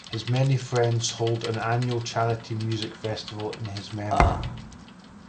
His many friends hold an annual charity music festival in his memory.